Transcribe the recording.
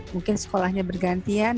mungkin sekolahnya bergantian